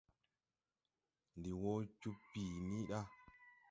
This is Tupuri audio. Ndi wɔ joo bii ni da.